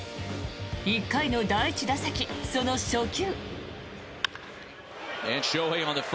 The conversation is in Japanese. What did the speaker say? １回の第１打席、その初球。